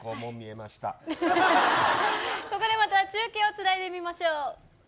ここで中継をつないでみましょう。